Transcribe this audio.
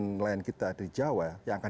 nelayan kita di jawa yang akan